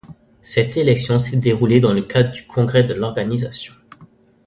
Cette élection s'est déroulée dans le cadre du congrès de l'organisation.